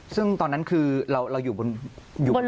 ซึ่งตอนนั้นคือเราอยู่บนฟาดบุกกระนอก